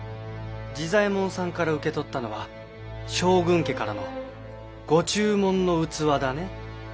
治左衛門さんから受け取ったのは将軍家からのご注文の器だね。